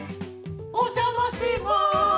お邪魔します